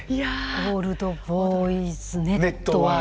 オールド・ボーイズ・ネットワーク。